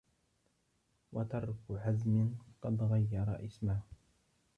وَتَرْكُ حَزْمٍ قَدْ غَيَّرَ اسْمَهُ